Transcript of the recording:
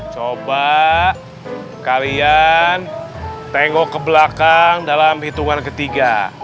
coba kalian tengok ke belakang dalam hitungan ketiga